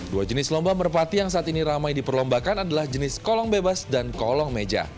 dua jenis lomba merpati yang saat ini ramai diperlombakan adalah jenis kolong bebas dan kolong meja